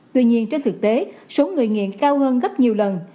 tuy nhiên trên thực tế số người nghiện cao hơn gấp nhiều lần